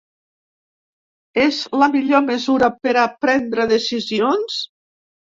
És la millor mesura per a prendre decisions?